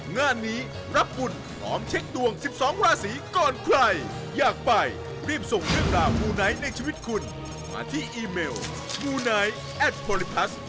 กล้านนี้รับกลุ่นกลอมเช็คดวง๑๒ราศีก่อนใคร